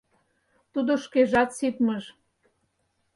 Тудо шкежат — ситмыж.